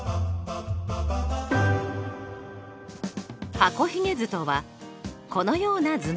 箱ひげ図とはこのような図のことです。